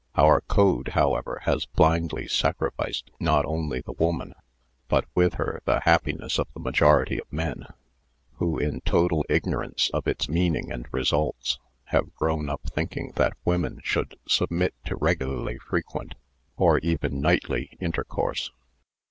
Our code, however, has blindly sacrificed not only the woman, but with her the happiness of the majority of men, who, in total ignorance of its meaning and results, have grown up thinking that women should submit to regularly frequent, or even nightly, inter course.